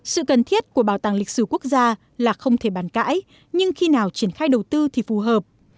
sự cần thiết của bảo tàng lịch sử quốc gia là không thể bàn cãi nhưng khi nào triển khai đầu tư thì phù hợp